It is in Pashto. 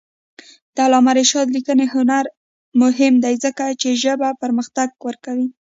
د علامه رشاد لیکنی هنر مهم دی ځکه چې ژبه پرمختګ ورکوي.